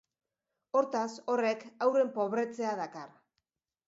Hortaz, horrek haurren pobretzea dakar.